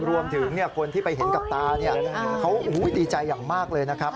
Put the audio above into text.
รวมถึงคนที่ไปเห็นกับตาเนี่ยเขาดีใจอย่างมากเลยนะครับ